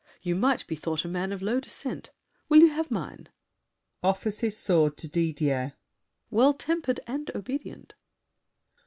You might be thought a man of low descent. Will you have mine? [Offers his sword to Didier. Well tempered and obedient!